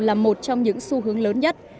là một trong những xu hướng lớn nhất